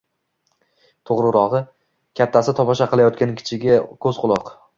To'g'rirog'i, kattasi tomosha qilayotgan kichigiga ko'zquloq.